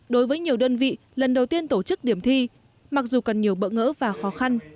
đối với nhiều đơn vị lần đầu tiên tổ chức điểm thi mặc dù còn nhiều bỡ ngỡ và khó khăn